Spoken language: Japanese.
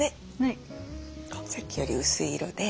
さっきより薄い色で。